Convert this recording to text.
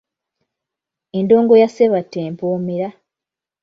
Endongo ya Ssebatta empoomera.